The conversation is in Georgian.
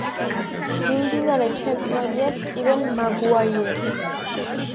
მიმდინარე ჩემპიონია სტივენ მაგუაიერი.